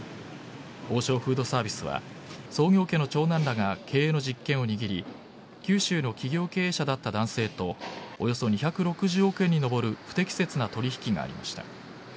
王将フードサービスは創業家の長男らが経営の実権を握り九州の企業経営者だった男性とおよそ２６０億円に上る不適切な取引がありました。